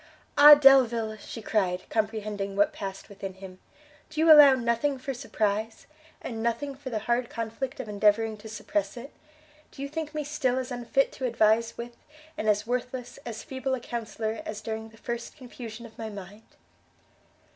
"Ah Delvile!" she cried, comprehending what passed within him, "do you allow nothing for surprize? and nothing for the hard conflict of endeavouring to suppress it? do you think me still as unfit to advise with, and as worthless, as feeble a counsellor, as during the first confusion of my mind?"